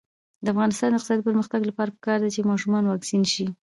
د افغانستان د اقتصادي پرمختګ لپاره پکار ده چې ماشومان واکسین شي.